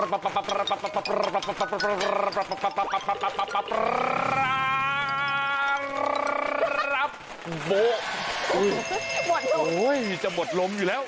คุณชะนัดหมดลมหายใจอยู่แล้ว